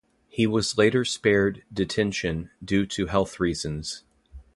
He was later spared detention due to health reasons.